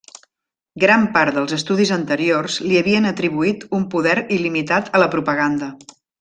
Gran part dels estudis anteriors, li havien atribuït un poder il·limitat a la propaganda.